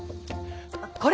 これ？